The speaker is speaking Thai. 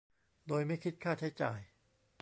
โดยไม่คิดค่าใช้จ่าย